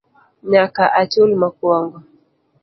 Nyaka achul mokwongo